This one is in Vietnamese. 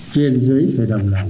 chuyên giới phải đồng lòng